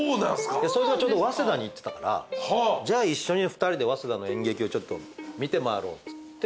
そいつがちょうど早稲田に行ってたからじゃあ一緒に２人で早稲田の演劇を見て回ろうっつって。